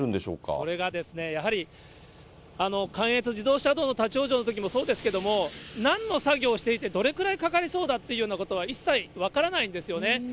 それがですね、やはり、関越自動車道の立往生のときもそうですけども、なんの作業をしていて、どれぐらいかかりそうだっていうようなことは、一切分からないんですよね。